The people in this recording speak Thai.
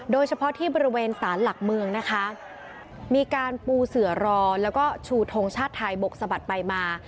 โดยเฉพาะที่บริเวณสารหลักเมืองนะคะมีการปูเสือรอแล้วก็ชูทงชาติไทยบกสะบัดไปมา